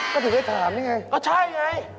ก็ถึงได้ถามนี่ไงก็ใช่ไง